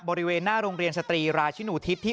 บริเวณหน้าโรงเรียนสตรีราชินูทิศที่